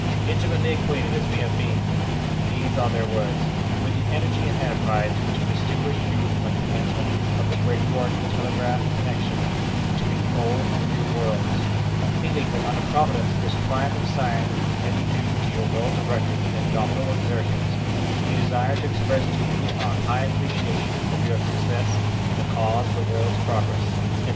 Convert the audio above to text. "Intimately acquainted as we have been" these are their words "with the energy and enterprise which have distinguished you from the commencement of the great work of telegraph connection between the Old and the New Worlds; and feeling that under Providence this triumph of science is mainly due to your well directed and indomitable exertions, we desire to express to you our high appreciation of your success in the cause of the world's progress," etc.